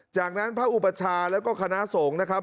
จากนั้นพระอุปชาแล้วก็คณะสงฆ์นะครับ